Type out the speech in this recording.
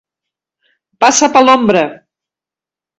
Passa per l'ombra!